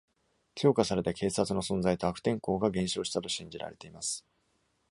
強化された警察の存在と悪天候が減少したと信じられています。